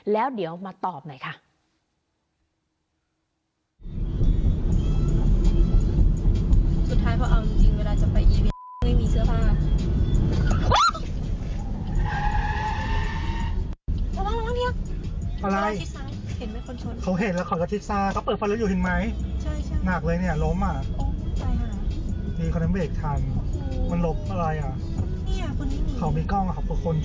แล้วเดี๋ยวมาตอบหน่อยค่ะ